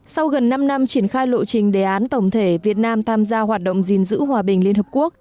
sau gần năm năm triển khai lộ trình đề án tổng thể việt nam tham gia hoạt động gìn giữ hòa bình liên hợp quốc